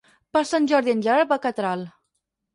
Per Sant Jordi en Gerard va a Catral.